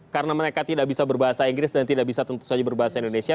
karena mereka tidak bisa berbahasa inggris dan tidak bisa tentu saja berbahasa indonesia